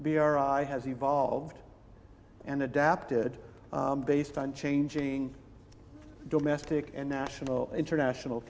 bri telah berkembang dan beradaptasi berdasarkan perubahan kondisi domestik dan internasional